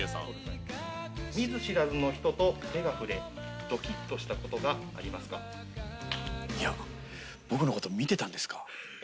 見ず知らずの人と手が触れ、いや、僕のこと見てたんですか？